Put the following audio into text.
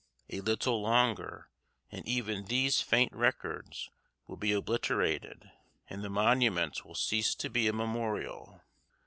A little longer, and even these faint records will be obliterated and the monument will cease to be a memorial.